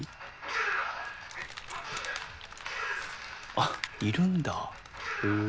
あっいるんだへぇ。